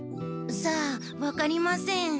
さあわかりません。